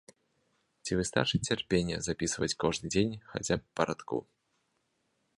Ці выстачыць цярпення запісваць кожны дзень хаця б па радку?